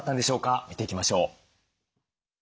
見ていきましょう。